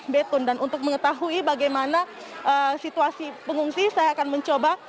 betun dan untuk mengetahui bagaimana situasi pengungsi saya akan mencoba